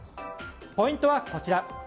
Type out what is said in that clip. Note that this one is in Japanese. ポイントはこちら。